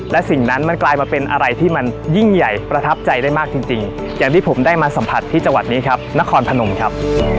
และสิ่งนั้นมันกลายมาเป็นอะไรที่มันยิ่งใหญ่ประทับใจได้มากจริงอย่างที่ผมได้มาสัมผัสที่จังหวัดนี้ครับนครพนมครับ